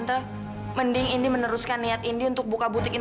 kamu menyakiti kamilah